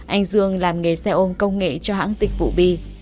anh dương làm nghề xe ôm công nghệ cho hãng dịch vụ bi